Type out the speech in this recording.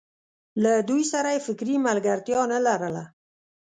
له دوی سره یې فکري ملګرتیا نه لرله.